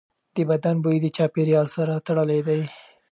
د بدن بوی د چاپېریال سره تړلی دی.